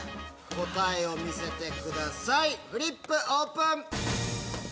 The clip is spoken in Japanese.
答えを見せてくださいフリップオープン！